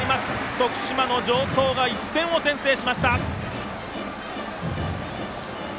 徳島の城東が１点を先制しました！